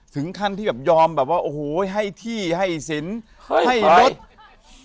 ถึงขั้นที่แบบยอมแบบว่าโอ้โหให้ที่ให้สินให้รถ